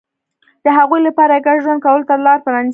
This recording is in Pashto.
د هغوی لپاره یې ګډ ژوند کولو ته لار پرانېسته